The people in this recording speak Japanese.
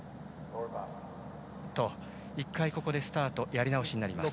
１回、ここでスタートやり直しになります。